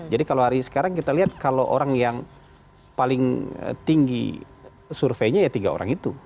jadi kalau hari sekarang kita lihat kalau orang yang paling tinggi surveinya ya tiga orang itu